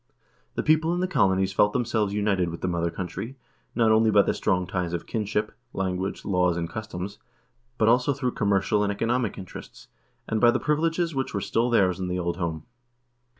The people in the colonies felt themselves united with the mother country, not only by the strong ties of kinship, language, laws, and customs, but also through commercial and economic interests, and by the privileges which were still theirs in the old home.